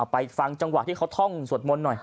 ฟังจังหวะที่เขาท่องสวดมนต์หน่อย